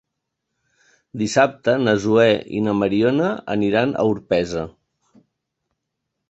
Dissabte na Zoè i na Mariona aniran a Orpesa.